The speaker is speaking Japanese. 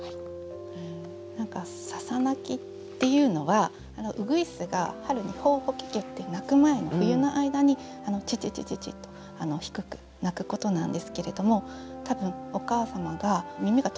笹鳴きっていうのはうぐいすが春にホーホケキョって鳴く前の冬の間にチチチチチと低く鳴くことなんですけれども多分お母様が耳が遠くなってしまったのか